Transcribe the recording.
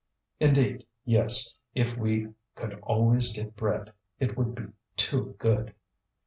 "Indeed, yes; if we could always get bread, it would be too good."